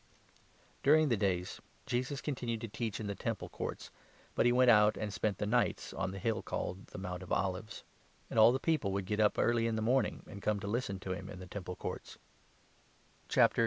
During the days, Jesus continued to teach in the Temple 37 Courts, but he went out and spent the nights on the hill called the ' Mount of Olives.' And all the people would get up early 38 in the morning and come to listen to him in the Temple Courts. o. 7. 24 Zech. 12. 3 (S«ptuagtfnt). 25 ™ Dan. 7. 13 ; Jer.